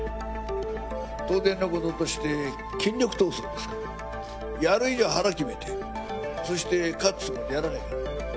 当然のこととして権力闘争ですから、やる以上、腹決めて、そして勝つつもりでやらないかん。